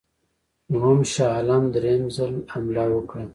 دوهم شاه عالم درېم ځل حمله وکړه.